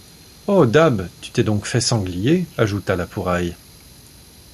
Oh ! dab, tu t’es donc fait sanglier ? ajouta La Pouraille.